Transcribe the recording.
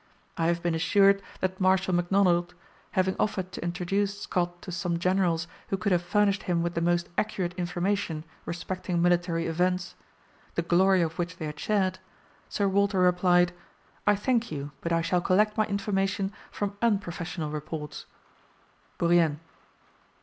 I have been assured that Marshal Macdonald having offered to introduce Scott to some generals who could have furnished him with the most accurate information respecting military events, the glory of which they had shared, Sir Walter replied, "I thank you, but I shall collect my information from unprofessional reports." Bourrienne.